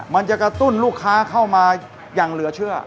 มันจะกระตุ้นลูกค้าเข้ามาอย่างเหลือเชื่อ